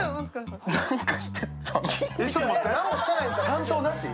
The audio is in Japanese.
担当なし？